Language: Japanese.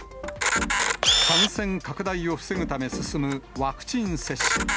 感染拡大を防ぐため進むワクチン接種。